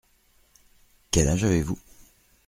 Quel âge avez-vous ?